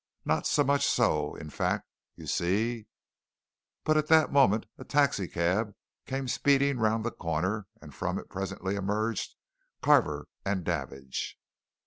Not so much so, in fact. You see " But at that moment a taxi cab came speeding round the corner, and from it presently emerged Carver and Davidge.